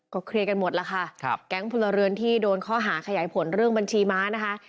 เคลียร์กันหมดแล้วค่ะแก๊งพลเรือนที่โดนข้อหาขยายผลเรื่องบัญชีม้านะคะ